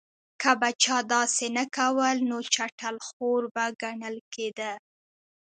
که به چا داسې نه کول نو چټل خور به ګڼل کېده.